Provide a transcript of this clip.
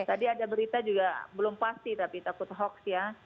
tadi ada berita juga belum pasti tapi takut hoax ya